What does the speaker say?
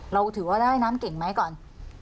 เราถือว่าเราว่ายน้ำเก่งไหมก่อน